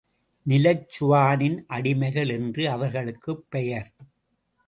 நிலச்சுவானின் அடிமைகள் என்று அவர்களுக்குப் பெயர்.